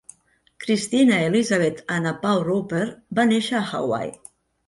Kristina Elizabeth Anapau Roper va néixer a Hawaii.